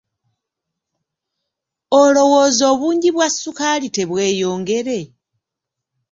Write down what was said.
Olowooza obungi bwa ssukaali tebweyongere?